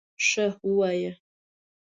_ښه، ووايه!